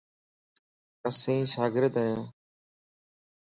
اسين شاگرد ايان